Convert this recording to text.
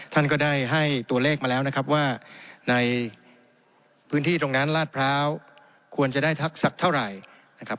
ท่านก็ได้ให้ตัวเลขมาแล้วนะครับว่าในพื้นที่ตรงนั้นลาดพร้าวควรจะได้ทักษะเท่าไหร่นะครับ